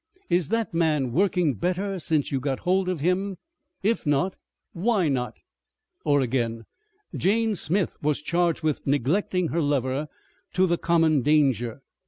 "Is that man working better since you got hold of him? If not, why not?" "Or again, Jane Smith was charged with neglecting her lover to the common danger....